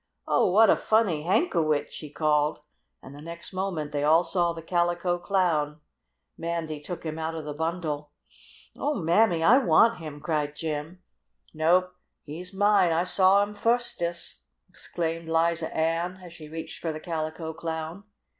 "Oh, what a funny handkowitch!" she called, and the next moment they all saw the Calico Clown. Mandy took him out of the bundle. "Oh, Mammy! I want him!" cried Jim. "Nope! He's mine! I saw him, fustest!" exclaimed Liza Ann, and she reached for the Calico Clown.